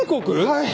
⁉はい！